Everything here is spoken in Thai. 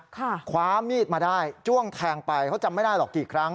คว้ามีดมาได้จ้วงแทงไปเขาจำไม่ได้หรอกกี่ครั้ง